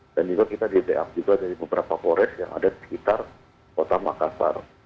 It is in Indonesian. dan juga kita dideam juga dari beberapa kores yang ada di sekitar kota makassar